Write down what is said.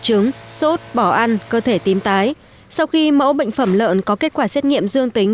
trứng sốt bỏ ăn cơ thể tím tái sau khi mẫu bệnh phẩm lợn có kết quả xét nghiệm dương tính